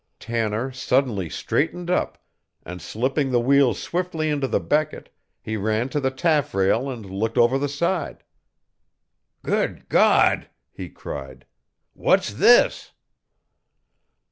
Tanner suddenly straightened up, and slipping the wheel swiftly into the becket, he ran to the taffrail and looked over the side. "Good God!" he cried. "What's this?"